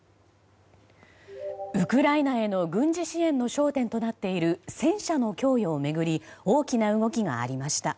ウクライナへの軍事支援の焦点となっている戦車の供与を巡り大きな動きがありました。